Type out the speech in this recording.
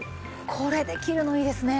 これできるのいいですね。